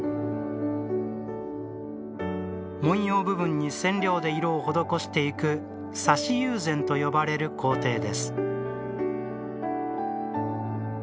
文様部分に染料で色を施していく挿し友禅と呼ばれる工程です。